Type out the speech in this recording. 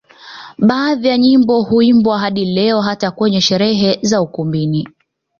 Baadhi ya nyimbo huimbwa hadi leo hata kwenye sherehe za ukumbini